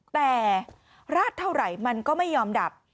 แต่ราดเท่าไหร่มันก็ไม่ยอมดับ